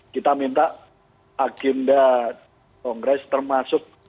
kita minta agenda kongres termasuk